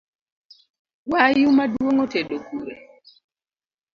Wayu maduong’ otedo kure?